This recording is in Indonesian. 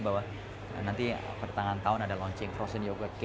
bahwa nanti pertengahan tahun ada launching frozen yogurt